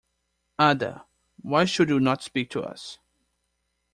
Ada, why should you not speak to us!